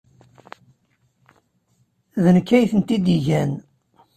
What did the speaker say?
D nekk ay tent-id-igan.